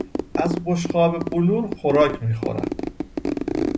از بشقاب بلور خوراک میخورد.